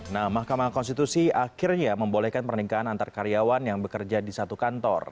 nah mahkamah konstitusi akhirnya membolehkan pernikahan antar karyawan yang bekerja di satu kantor